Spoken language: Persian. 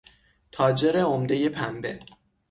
تاجر عمدهی پنبه